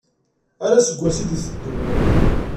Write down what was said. Ar useggas i d-iteddun.